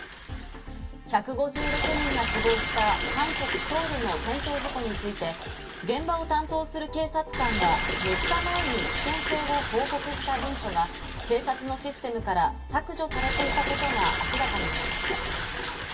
１５６人が死亡した韓国・ソウルの転倒事故について、現場を担当する警察官が３日前に危険性を報告をした文書が警察のシステムから削除されていたことが明らかになりました。